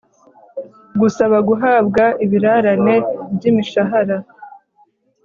gusaba guhabwa ibirarane by imishahara